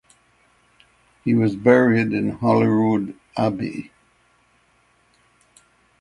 He was buried in Holyrood Abbey.